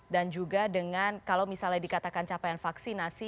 dan juga dengan kalau misalnya dikatakan capaian vaksinasi